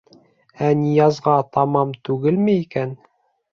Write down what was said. Ә Ниязға таман түгелме икән?